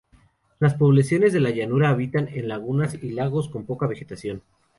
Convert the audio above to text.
Las poblaciones de la llanura, habitan en lagunas y lagos con poca vegetación.